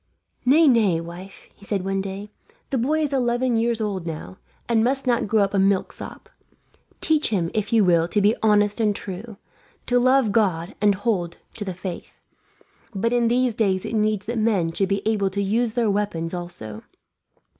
"Nay, nay, wife," he said one day, "the boy is eleven years old now, and must not grow up a milksop. Teach him if you will to be honest and true, to love God, and to hold to the faith; but in these days it needs that men should be able to use their weapons, also.